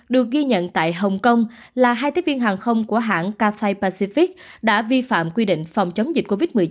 được ghi nhận tại hong kong là hai tiếp viên hàng không của hãng cathay pacific đã vi phạm quy định phòng chống dịch covid một mươi chín